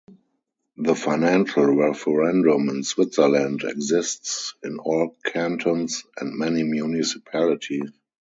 The financial referendum in Switzerland exists in all cantons and many municipalities.